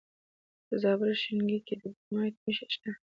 د زابل په شینکۍ کې د کرومایټ نښې شته.